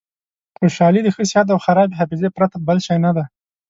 خوشحالي د ښه صحت او خرابې حافظې پرته بل شی نه ده.